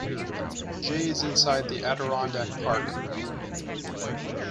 Jay is inside the Adirondack Park.